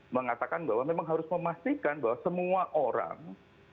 mengatakan bahwa memang harus memastikan bahwa semua orang